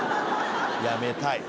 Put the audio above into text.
やめたい。